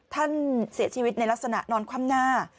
ท่านเสียชีวิตในลักษณะนอนคว่ำหน้า